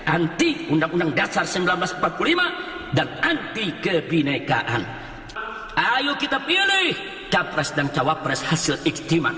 anti undang undang dasar seribu sembilan ratus empat puluh lima dan anti kebinekaan ayo kita pilih capres dan cawapres hasil iktiman